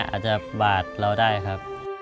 อาจจะบาดเราได้ครับ